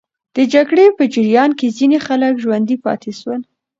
د جګړې په جریان کې ځینې خلک ژوندي پاتې سول.